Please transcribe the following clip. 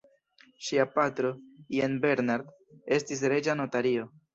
Ŝia patro, Jean Bernard, estis reĝa notario.